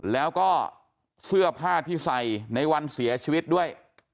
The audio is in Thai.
แล้วก็เสื้อผ้าที่ใส่ในวันเสียชีวิตด้วย